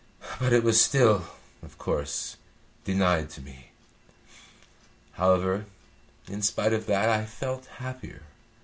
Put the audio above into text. But it was still, of course, denied to me. However, in spite of that I felt happier.